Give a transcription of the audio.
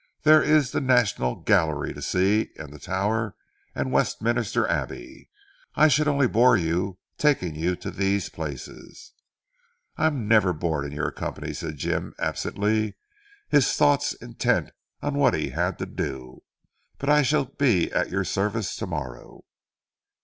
There is The National Gallery to see; and the Tower, and Westminster Abbey. I should only bore you taking you to these places." "I am never bored in your company," said Jim absently, his thoughts intent on what he had to do, "but I shall be at your service to morrow.